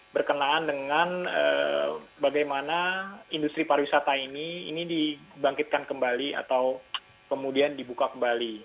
berkenaan dengan bagaimana industri pariwisata ini ini dibangkitkan kembali atau kemudian dibuka kembali